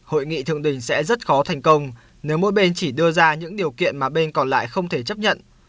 hội nghị thượng đỉnh sẽ rất khó thành công nếu mỗi bên chỉ đưa ra những điều kiện mà bên còn lại không thể chấp nhận